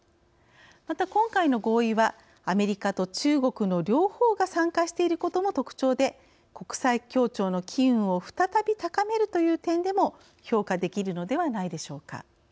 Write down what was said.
また、今回の合意はアメリカと中国の両方が参加していることも特徴で国際協調の機運を再び、高めるという点でも評価できるのではないでしょうか。